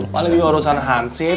paling ini urusan handset